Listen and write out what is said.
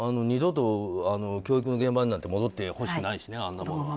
二度と教育の現場になんて戻ってほしくないしね。